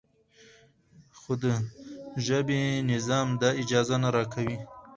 خو د ژبې نظام دا اجازه نه راکوي.